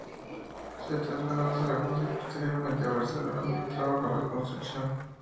Se trasladó a Zaragoza y posteriormente a Barcelona, donde trabajó en la construcción.